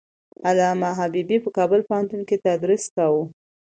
علامه حبيبي په کابل پوهنتون کې تدریس کاوه.